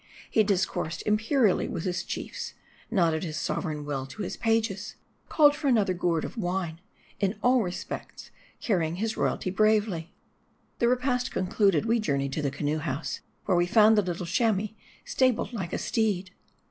He discoursed imperially with his chiefs ; nodded his sover eign will to his pages ; called for another gourd of wine ; in all respects carrying his royalty bravely. The repast concluded, we journeyed to the canoe house, where we found the little Chamois stabled like a steed.